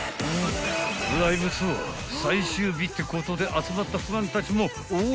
［ライブツアー最終日ってことで集まったファンたちも大盛り上がり］